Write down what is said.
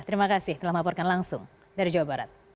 terima kasih telah melaporkan langsung dari jawa barat